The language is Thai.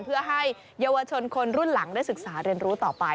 เพื่อให้เยาวชนคนรุ่นหลังได้ศึกษาเรียนรู้ต่อไป